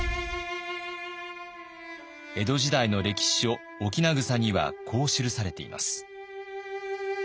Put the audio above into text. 江戸時代の歴史書「翁草」にはこう記されています。